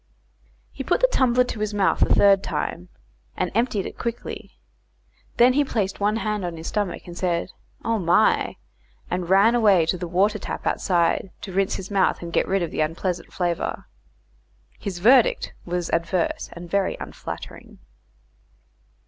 He put the tumbler to his mouth a third time, and emptied it quickly. Then he placed one hand on his stomach, said "Oh, my," and ran away to the water tap outside to rinse his mouth and get rid of the unpleasant flavour. His verdict was adverse, and very unflattering.